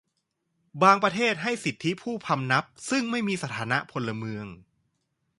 บางประเทศให้สิทธิผู้พำนัก ซึ่งไม่มีสถานะพลเมือง